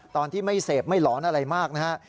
ตอนที่ไม่เสพไม่หลอนอะไรมากนะฮะ